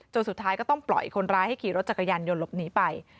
สุดท้ายก็ต้องปล่อยคนร้ายให้ขี่รถจักรยานยนต์หลบหนีไป